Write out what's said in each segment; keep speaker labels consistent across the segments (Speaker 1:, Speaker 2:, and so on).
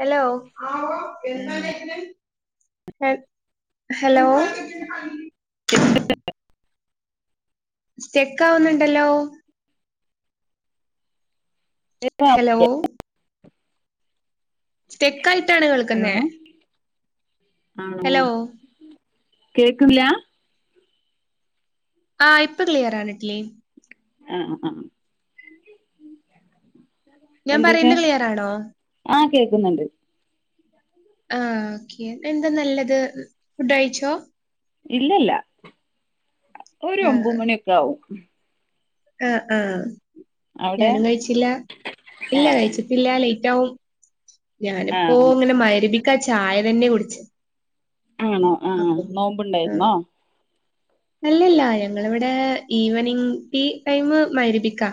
Speaker 1: Hello
Speaker 2: ആഹ്
Speaker 1: hello സ്റ്റെക്കാവുന്നുണ്ടല്ലോ
Speaker 2: കേക്കാവോ
Speaker 1: ഹലോ സ്റ്റെക്കായിട്ടാണ്
Speaker 2: ഹലോ
Speaker 1: കേൾക്കുന്നെ
Speaker 2: ആണോ കേക്ക്ണ്ല്ല
Speaker 1: ആ ഇപ്പൊ ക്ലിയറാണ് ക്ലി
Speaker 2: ആഹ് ആ
Speaker 1: ഞാൻ പറയ്ന്നേ ക്ലിയറാണോ
Speaker 2: ക്കുന്ന്ണ്ട്
Speaker 1: ആ ഓക്കെ. എന്ത നല്ലത്. ഫുഡ് കഴിച്ചോ?
Speaker 2: ഇല്ലല്ല. ഒരു
Speaker 1: ആ
Speaker 2: ഒമ്പത് മണിയൊക്കെ ആവും.
Speaker 1: ആ ആ
Speaker 2: അവിടെ
Speaker 1: ഞാനും കഴിച്ചില്ല. ഇല്ല കഴിച്ചിട്ടില്ലാ ലൈ റ്റാവും. ഞാനിപ്പോ
Speaker 2: ആഹ്
Speaker 1: അങ്ങനെ മഹ്‌രിബി ക്കാ ചായ തന്നെ കുടിച്ച്
Speaker 2: ആണോ ആഹ് നോമ്പ്ണ്ടായിുന്നോ
Speaker 1: അല്ലല്ല ഞങ്ങളിവിടെ ഈവനിങ് ടീ ടൈം മഅരിബിക്കാ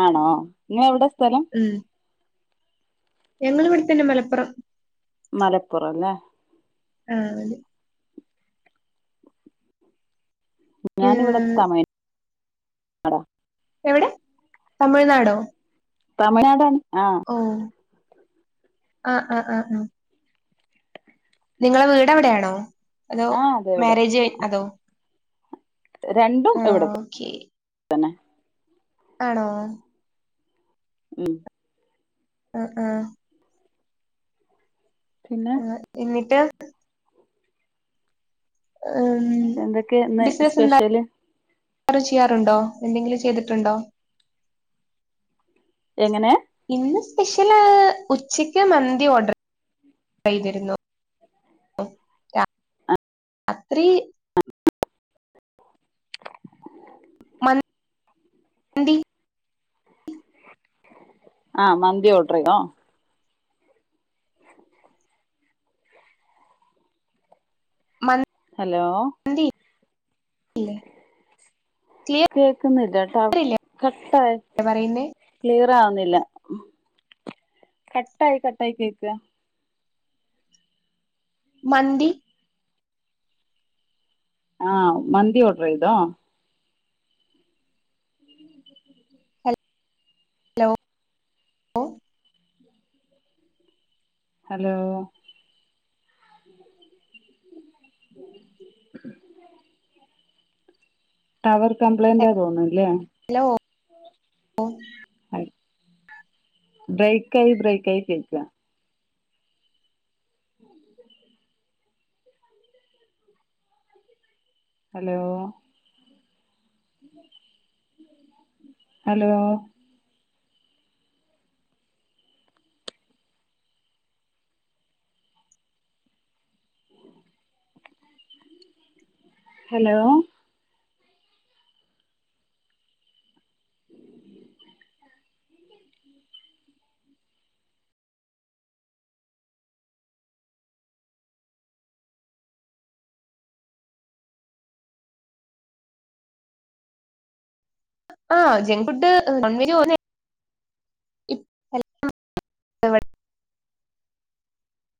Speaker 2: ആണോ നി എവിടെസ്
Speaker 1: ഉം ഞങ്ങൾ ഇവിടെത്തന്നെ മലപ്പുറം
Speaker 2: മലപ്പുറം ലെ
Speaker 1: ആഹ അതെ ഏ,
Speaker 2: ഞാനിവിടെത്തമയ ആഹ
Speaker 1: എവിടെ തമിഴ്നാടോ
Speaker 2: തമിഴ്നാടാണ് ആഹ
Speaker 1: ആഹ ആഹ ആഹ് ആഹ നിങ്ങളെ വീട് എവിടെയാണോ അതോ
Speaker 2: ആഹ് അതെ ഇവിടെ
Speaker 1: മാരേജ് അതോ
Speaker 2: രണ്ടും
Speaker 1: ആഹ്
Speaker 2: ഇവിടത്തെ
Speaker 1: ഓക്കെ
Speaker 2: തന്നെ
Speaker 1: ആണോ
Speaker 2: ഉം
Speaker 1: ആഹ ആഹ
Speaker 2: പിന്നെ
Speaker 1: ആ എന്നിട്ട് ഉം
Speaker 2: എന്തൊക്കെ ഇന്ന്
Speaker 1: ബിസിനസ് എന്താ
Speaker 2: സ്പെഷ്യല്
Speaker 1: അവറ് ചെയ്യാറുണ്ടോ എന്തെങ്കിലും ചെയ്തിട്ടുണ്ടോ
Speaker 2: എങ്ങനെ
Speaker 1: ഇന്ന് സ്പെഷ്യൽ ഉച്ചക്ക് മന്തി ഓർഡർ ചെയ്തിരുന്നു രാത്രി മ മന്ദി
Speaker 2: ആഹ മതിി ഓട്ടറക്കോ
Speaker 1: മ
Speaker 2: ഹലോ
Speaker 1: ഇല്ലേ ക്ലിയർ
Speaker 2: കേക്കുന്നില്ല ട്ട
Speaker 1: ഇല്ലേ
Speaker 2: ക ക്ർ
Speaker 1: പറയുന്നേ
Speaker 2: ുന്നില്ല കട്ടായി കട്ടായി കേക്ക
Speaker 1: മന്ന്ദി
Speaker 2: ആഹ മന്ന്ദി ഓട്ര ഇതോ
Speaker 1: hello hello
Speaker 2: hello tower complaint ആ തോന്നുന്നു അല്ലേ
Speaker 1: ഓ
Speaker 2: ബ്രേക്ക ആായി ബ്രേക്ക ആായി കേക്കുക ഹലോ ഹലോ ഹലോ ഉ
Speaker 1: ആഹ ജങ്ക് ഫുഡ് [unintelligible]